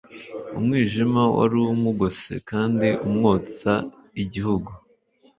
Umwijima wari umugose kandi umwotsa igihugu.